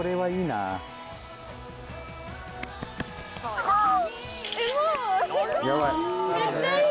すごい！